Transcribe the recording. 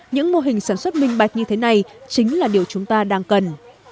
những mô hình sản xuất minh bạch như thế này chính là điều chúng ta đang cần